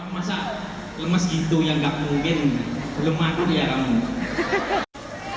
masa lemes gitu yang gak mungkin belum madu ya kamu